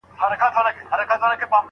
ژوند د لوړو او ژورو مجموعه ده.